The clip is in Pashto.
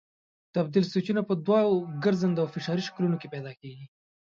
تبدیل سویچونه په دوو ګرځنده او فشاري شکلونو کې پیدا کېږي.